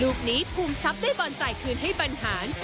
ลูกนี้ภูมิทรัพย์ได้บอลจ่ายคืนให้บรรหาร